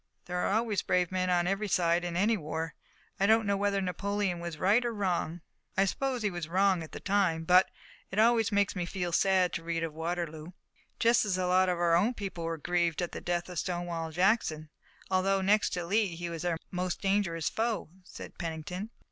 "There are always brave men on every side in any war. I don't know whether Napoleon was right or wrong I suppose he was wrong at that time but it always makes me feel sad to read of Waterloo." "Just as a lot of our own people were grieved at the death of Stonewall Jackson, although next to Lee he was our most dangerous foe," said Pennington.